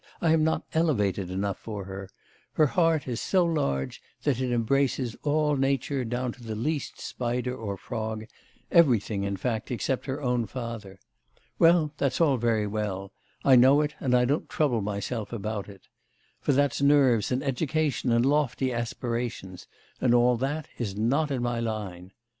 I am not elevated enough for her. Her heart is so large that it embraces all nature down to the least spider or frog, everything in fact except her own father. Well, that's all very well; I know it, and I don't trouble myself about it. For that's nerves and education and lofty aspirations, and all that is not in my line.